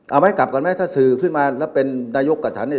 เอาไหมกลับกันไหมถ้าสื่อขึ้นมาแล้วเป็นนายกกับฉันเนี่ย